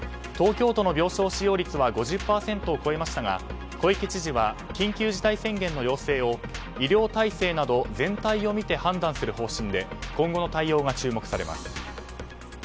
東京都の病床使用率は５０％を超えましたが小池知事は緊急事態宣言の要請を医療体制など全体を見て判断する方針で今後の対応が注目されます。